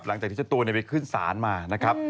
หลังจากที่เจ้าตัวไปขึ้นศาลมานะครับ